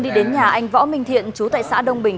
đi đến nhà anh võ minh thiện chú tại xã đông bình